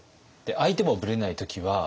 相手もブレない時は？